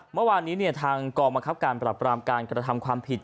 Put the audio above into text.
เมื่อวานนี้ทางกองบังคับการปรับปรามการกระทำความผิด